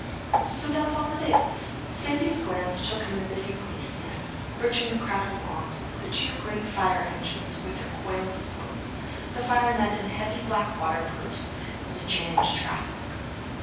"So that's all it is!" Sandy's glance took in the busy policemen, urging the crowd along, the two great fire engines with their coils of hose, the firemen in heavy black waterproofs, and the jammed traffic.